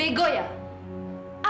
tidak ada ego ya